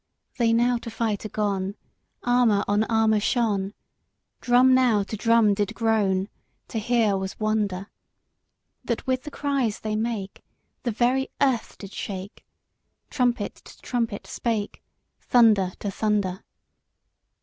V. They now to fight are gone, Armour on armour shone, Drum now to drum did groan, To hear was wonder; That with the cries they make, The very earth did shake, Trumpet to trumpet spake, Thunder to thunder.